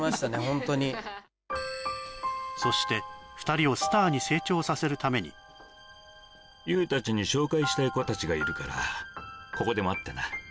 ホントにそして２人をスターに成長させるためにＹｏｕたちに紹介したい子たちがいるからここで待ってな